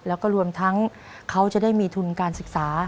แล้วก็รวมทั้งเขาจะได้มีทุนการศึกษา